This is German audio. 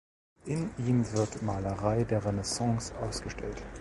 In ihm wird Malerei der Renaissance ausgestellt.